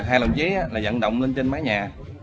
hai đồng chí dẫn động lên trên mái nhà